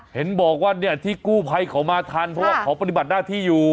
เห็นบอกว่าเนี่ยที่กู้ภัยเขามาทันเพราะว่าเขาปฏิบัติหน้าที่อยู่